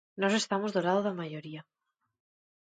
Nós estamos do lado da maioría.